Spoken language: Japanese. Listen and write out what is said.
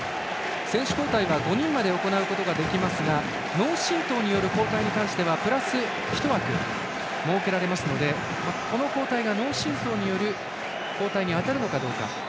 選手交代は５人まで行うことができますが脳震とうによる交代に関してはプラス１枠設けられますので、この交代が脳震とうによる交代に当たるのかどうか。